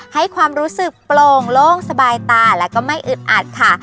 ให้ความรู้สึกโปร่งโล่งสบายตาและก็ไม่อึดอัดค่ะ